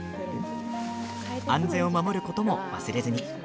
安全を守ることも忘れずに。